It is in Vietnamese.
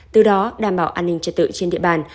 từ đó đảm bảo an ninh trật tự trên địa bàn